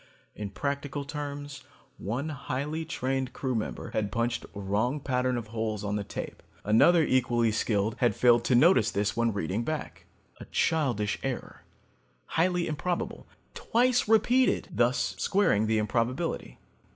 In practical terms, one highly trained crew member had punched a wrong pattern of holes on the tape. Another equally skilled had failed to notice this when reading back. A childish error, highly improbable; twice repeated, thus squaring the improbability.